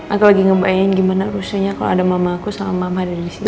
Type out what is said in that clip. aku lagi ngebayangin gimana rusuhnya kalau ada mama aku sama mama dari sini